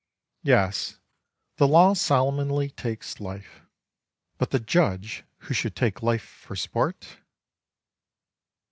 Yes; the law solemnly takes life, but the judge who should take life for sport